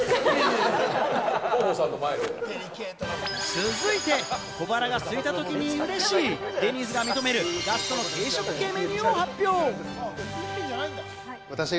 続いて小腹が空いたときにうれしいデニーズが認める、ガストの軽食系メニューを発表。